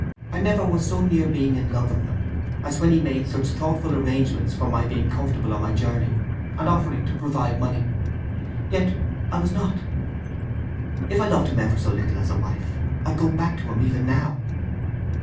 I never was so near being in love with him as when he made such thoughtful arrangements for my being comfortable on my journey, and offering to provide money. Yet I was not. If I loved him ever so little as a wife, I'd go back to him even now."